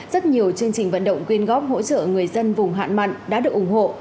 rất nhiều chương trình vận động quyên góp hỗ trợ người dân vùng hạn mặn đã được ủng hộ